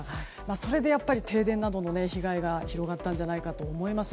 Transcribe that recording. それでやっぱり停電などの被害が広がったんじゃないかと思います。